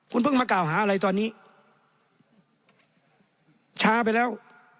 คุณเพิ่งมากล่าวหาอะไรตอนนี้ช้าไปแล้ว